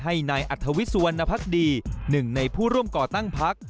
ให้นายอัธวิทย์สุวรรณภักดีหนึ่งในผู้ร่วมก่อตั้งพัก